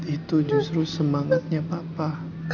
itu justru semangatnya papa